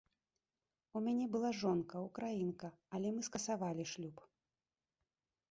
У мяне была жонка, украінка, але мы скасавалі шлюб.